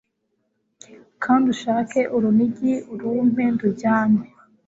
Kandi ushake urunigi, urumpe ndujyane